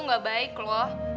nggak baik loh